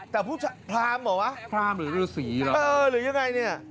แต่ผู้ชายพรามเหรอวะหรือฤสีเหรอหรืออย่างไรนี่